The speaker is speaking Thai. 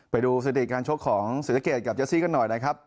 ไปดูสถิติการชกของศรีสะเกดกับเจซี่กันหน่อยนะครับ